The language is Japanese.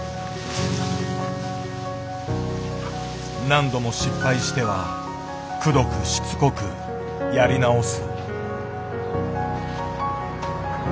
何度も失敗してはくどくしつこくやり直す。